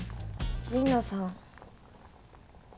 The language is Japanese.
神野さん。